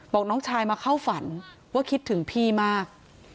บอกน้องชายมาเข้าฝันว่าคิดถึงพี่มาก